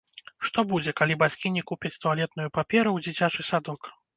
Што будзе, калі бацькі не купяць туалетную паперу ў дзіцячы садок?